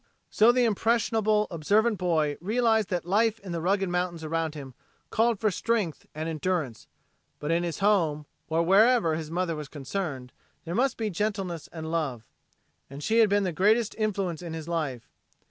So the impressionable, observant boy realized that life in the rugged mountains around him called for strength and endurance, but in his home, or wherever his mother was concerned there must be gentleness and love. And she has been the greatest influence in his life.